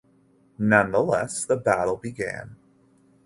Nonetheless the battle began.